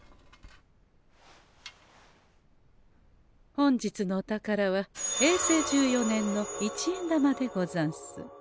本日のお宝は平成十四年の一円玉でござんす。